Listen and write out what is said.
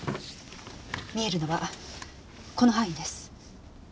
見えるのはこの範囲です。